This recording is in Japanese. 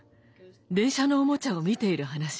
電車のおもちゃを見ている話。